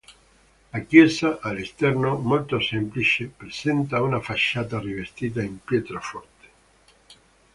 La chiesa, all'esterno molto semplice, presenta una facciata rivestita in pietra forte.